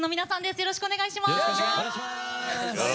よろしくお願いします。